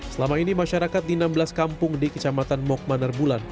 selama ini masyarakat di enam belas kampung di kecamatan mokmanar bulan